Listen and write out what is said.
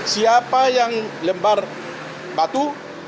siapa yang lembar batu